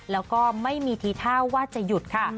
แล้วก็ไม่มีทีท่าว่าจะหยุดค่ะ